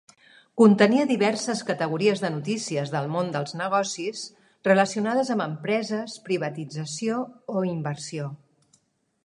Contenia diverses categories de notícies del món dels negocis relacionades amb empreses, privatització o inversió.